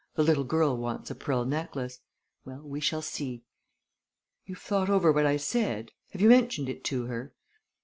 The little girl wants a pearl necklace. Well, we shall see!" "You've thought over what I said? Have you mentioned it to her?"